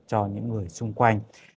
cho những người xung quanh